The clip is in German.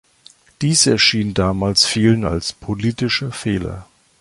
Dies erschien damals vielen als politischer Fehler.